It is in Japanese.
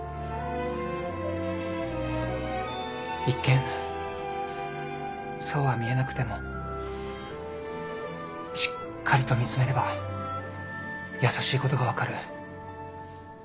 一見そうは見えなくてもしっかりと見つめれば優しいことが分かる。